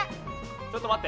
ちょっと待って。